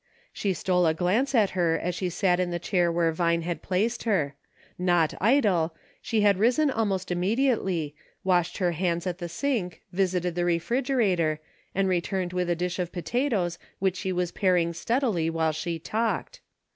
She stole a glance at her as she sat in the chair where Vine had placed her; not idle ; she had risen almost immediately, washed her hands at the sink, visited the refrigerator, and returned with a dish of potatoes which she was paring steadily while she talked.